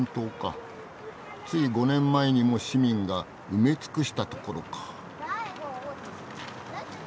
つい５年前にも市民が埋め尽くしたところか。